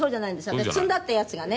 私積んであったやつがね。